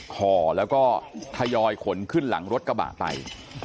ห่อแล้วก็ทยอยขนขึ้นหลังรถกระบะไป